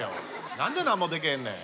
何で何もできへんねん。